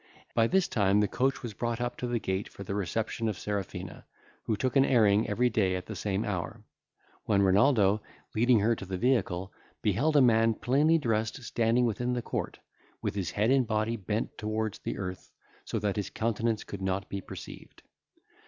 By this time the coach was brought up to the gate for the reception of Serafina, who took an airing every day at the same hour; when Renaldo, leading her to the vehicle, beheld a man plainly dressed standing within the court, with his head and body bent towards the earth, so that his countenance could not be perceived.